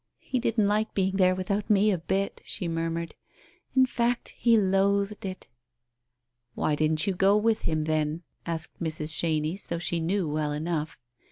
"He didn't like being there without me a bit," she murmured. "In fact, he loathed it." "Why didn't you go with him, then?" asked Mrs. Chenies, though she knew well enough.